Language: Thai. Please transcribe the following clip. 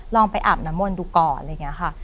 ลองไปอาบน้ำมนต์ดูก่อนอะไรอย่างนี้ค่ะ